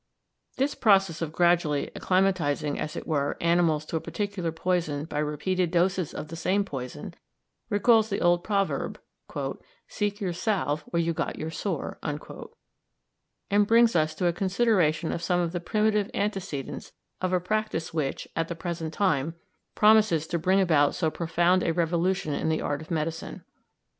This process of gradually acclimatising, as it were, animals to a particular poison by repeated doses of the same poison, recalls the old proverb, "Seek your salve where you got your sore," and brings us to a consideration of some of the primitive antecedents of a practice which, at the present time, promises to bring about so profound a revolution in the art of medicine.